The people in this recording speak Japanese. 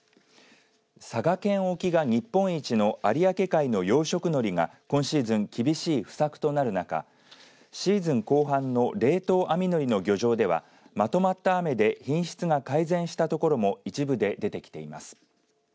佐賀県沖が日本一の有明海の養殖のりが今シーズン厳しい不作となる中シーズン後半の冷凍網のりの漁場ではまとまった雨で品質が改善した所も一部で出てきています。